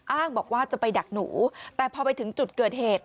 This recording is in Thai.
อ้างบอกว่าจะไปดักหนูแต่พอไปถึงจุดเกิดเหตุ